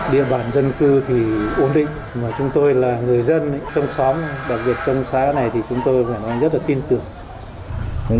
địa bàn dân cư thì ổn định mà chúng tôi là người dân trong xóm đặc biệt trong xã này thì chúng tôi rất là tin tưởng